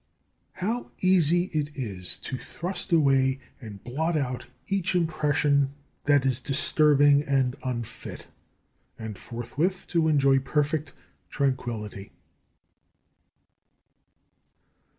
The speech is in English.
2. How easy it is to thrust away and blot out each impression that is disturbing and unfit; and forthwith to enjoy perfect tranquillity.